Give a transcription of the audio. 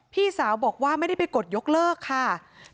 พี่สาวบอกว่าไม่ได้ไปกดยกเลิกรับสิทธิ์นี้ทำไม